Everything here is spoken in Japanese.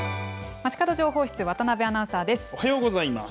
まちかど情報室、渡辺アナウンサーです。